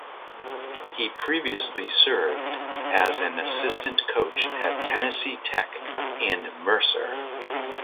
He previously served as an assistant coach at Tennessee Tech and Mercer.